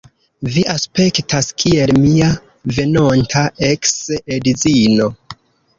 Vi aspektas kiel mia venonta eks-edzino.